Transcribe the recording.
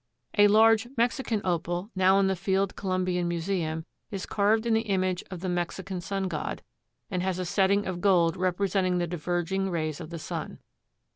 A large Mexican Opal, now in the Field Columbian Museum, is carved in the image of the Mexican sun god, and has a setting of gold representing the diverging rays of the sun.